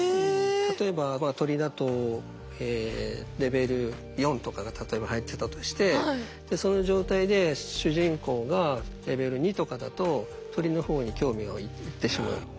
例えばまあ鳥だとえレベル４とかが例えば入ってたとしてその状態で主人公がレベル２とかだと鳥の方に興味がいってしまう。